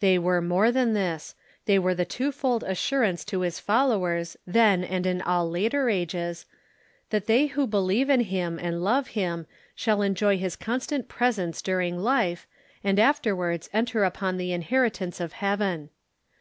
They were more than this — they Avere the twofold assurance to his followers, then and in all later ages, that they who believe in him, and love him, shall enjoy his constant j^resence during life, and afterwards enter upon the inheritance of heaven.